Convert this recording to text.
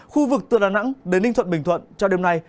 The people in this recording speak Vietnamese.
khu vực từ đà nẵng đến ninh thuận bình thuận cho đêm nay